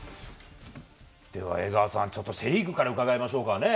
江川さん、セ・リーグから伺いましょうかね。